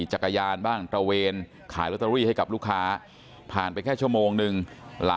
หาเงินอยากมาใช้โรคนะ